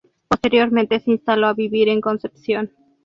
Posteriormente se instaló a vivir en Concepción.